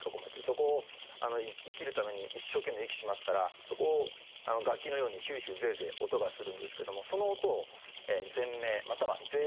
そこを生きるために一生懸命息しますからそこを楽器のようにヒューヒューゼーゼー音がするんですけどもその音を「ぜん鳴」または「ぜい鳴」ともいいます。